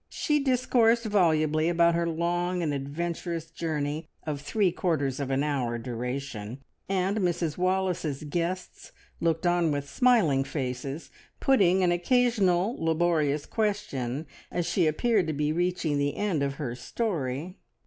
She discoursed volubly about her long and adventurous journey of three quarters of an hour's duration, and Mrs Wallace's guests looked on with smiling faces, putting an occasional laborious question as she appeared to be reaching the end of her story.